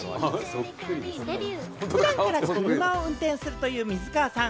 普段から車を運転するという水川さん。